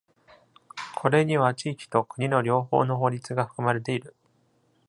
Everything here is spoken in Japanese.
これには地域と国の両方の法律が含まれている。